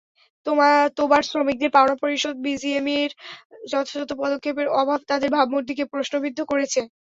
তোবার শ্রমিকদের পাওনা পরিশোধে বিজিএমইএর যথাযথ পদক্ষেপের অভাব তাদের ভাবমূর্তিকেই প্রশ্নবিদ্ধ করেছে।